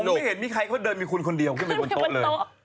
ไม่เห็นมีใครเขาเดินมีคุณคนเดียวขึ้นไปบนโต๊ะเลย